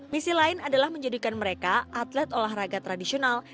misi lain adalah menjadikan mereka atlet olahraga tradisional